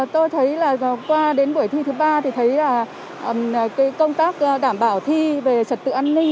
tôi thấy là qua đến buổi thi thứ ba thì thấy là công tác đảm bảo thi về trật tự an ninh